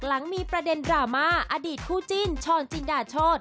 หลังมีประเด็นดราม่าอดีตคู่จิ้นชรจินดาโชธ